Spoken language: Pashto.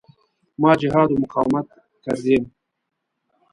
ما جهاد و مقاومت کردیم.